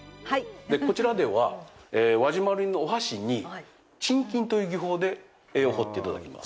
こちらでは、輪島塗のお箸に沈金という技法で絵を彫っていただきます。